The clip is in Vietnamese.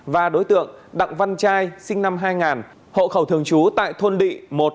và đối tượng đặng văn trai sinh năm hai nghìn hộ khẩu thường trú tại thôn đị một hai